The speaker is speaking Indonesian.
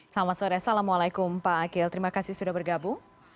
selamat sore assalamualaikum pak akil terima kasih sudah bergabung